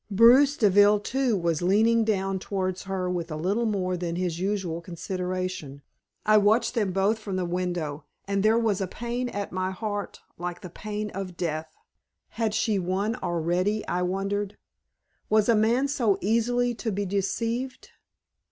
Bruce Deville too was leaning down towards her with a little more than his usual consideration. I watched them from the window, and there was a pain at my heart like the pain of death. Had she won already, I wondered? Was a man so easily to be deceived?